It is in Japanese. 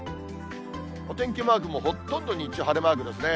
お天気マークもほとんど日中晴れマークですね。